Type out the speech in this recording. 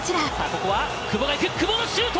ここは久保が行く、久保のシュート！